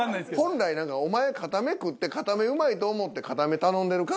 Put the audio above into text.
本来お前硬め食って硬めうまいと思って硬め頼んでるか？